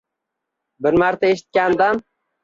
Bir marta eshitgandan...